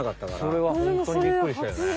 それはホントにびっくりしたよね。